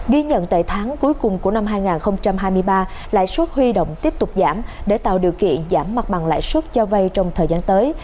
ghi nhận tại tháng cuối cùng của năm hai nghìn hai mươi ba lãi suất huy động tiếp tục giảm để tạo điều kiện giảm mặt bằng lãi suất cho vay trong thời gian tới